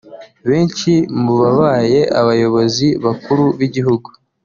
Benshi mu babaye abayobozi bakuru b’igihugu